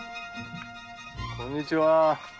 こんにちは